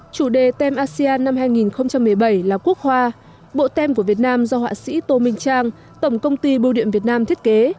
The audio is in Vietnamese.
chủ đề tem asean năm hai nghìn một mươi bảy là quốc hoa bộ tem của việt nam do họa sĩ tô minh trang tổng công ty bưu điện việt nam thiết kế